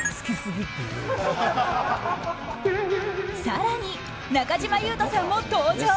更に中島裕翔さんも登場。